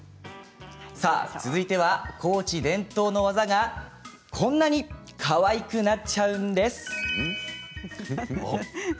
続いては高知伝統の技がこんなにかわいくなっちゃうんです。